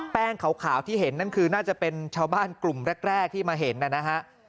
ขาวที่เห็นนั่นคือน่าจะเป็นชาวบ้านกลุ่มแรกที่มาเห็นนะฮะ